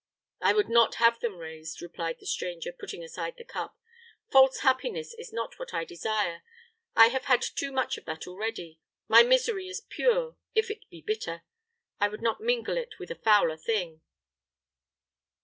"I would not have them raised," replied the stranger, putting aside the cup. "False happiness is not what I desire. I have had too much of that already. My misery is pure, if it be bitter. I would not mingle it with a fouler thing."